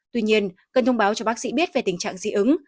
tuy nhiên cần thông báo cho bác sĩ biết về tình trạng dị ứng